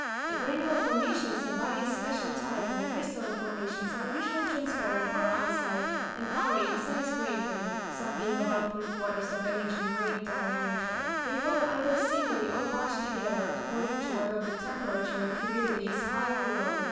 The granular formations embody a special type, and the crystalline formations are usually transparent or ice like, and vary in size greatly, some being about three quarters of an inch in greater diameter. They fall either singly or bunched together, according to whether the temperature and humidity is high or low.